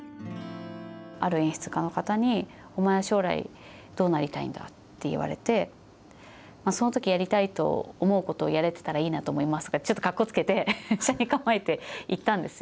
ある演出家の方に、お前、将来どうなりたいんだ？って言われて、そのときやりたいと思うことをやれてたらいいなと思いますけどって、ちょっとかっこつけて、斜に構えて言ったんですよ。